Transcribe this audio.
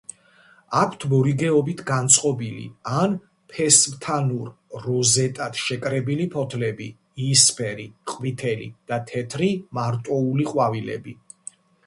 აქვთ მორიგეობით განწყობილი ან ფესვთანურ როზეტად შეკრებილი ფოთლები, იისფერი, ყვითელი და თეთრი მარტოული ყვავილები.